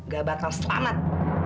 gak bakal selamat